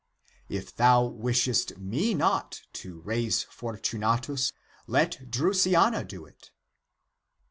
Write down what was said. If thou wishest me not to raise Fortunatus, let Drusiana do it."